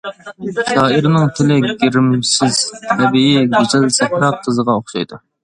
شائىرنىڭ تىلى گىرىمسىز، تەبىئىي، گۈزەل سەھرا قىزىغا ئوخشايدۇ.